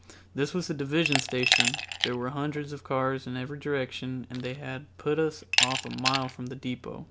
This was a division station, there were hundreds of cars in every direction and they had put us off a mile from the depot.